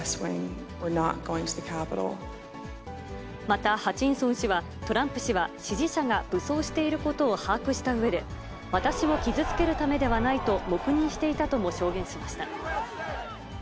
また、ハチンソン氏は、トランプ氏は、支持者が武装していることを把握したうえで、私を傷つけるためではないと、黙認していたとも証言しました。